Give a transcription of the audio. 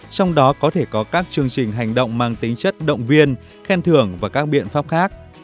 trong đó có thể có các chương trình hành động mang tính chất động viên khen thưởng và các biện pháp khác